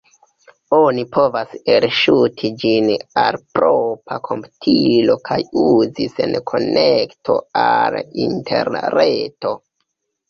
Oni povas elŝuti ĝin al propra komputilo kaj uzi sen konekto al Interreto.